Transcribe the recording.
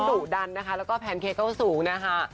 ดุดันนะคะแล้วก็แพนเค้กเข้าสูงนะคะ